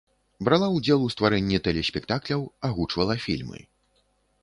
Брала ўдзел у стварэнні тэлеспектакляў, агучвала фільмы.